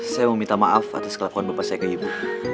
saya mau minta maaf atas telepon bapak saya ke ibu